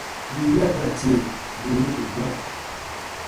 Bii wiya ba ra tie, bù nùn nukuru bura.